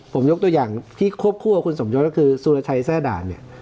ผมยกตัวอย่างที่ควบคู่กับคุณสมยศก็คือสุรชัยแทร่ด่านเนี่ย